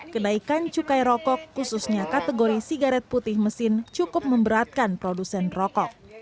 kenaikan cukai rokok khususnya kategori sigaret putih mesin cukup memberatkan produsen rokok